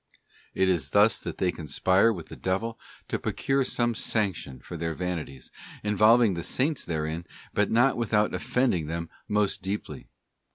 It is thus that they conspire with the devil to procure some sanction for their vanities, involving the Saints therein, but not without offend ing them most deeply.